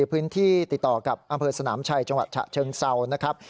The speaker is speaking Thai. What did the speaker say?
พื้นที่ติดต่อกับอำเภอสนามชัยจังหวัดฉะเชิงเซานะครับ